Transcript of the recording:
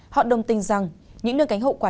họ đồng tin rằng những nơi cánh hậu quả